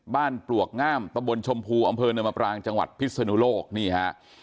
ปลวกงามตะบนชมพูอำเภอเนินมปรางจังหวัดพิศนุโลกนี่ฮะ